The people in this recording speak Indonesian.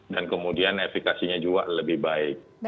dan kemudian efekasinya juga lebih baik